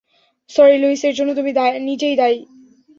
Sorry, Louis, এর জন্য দায়ী তুমি নিজেই।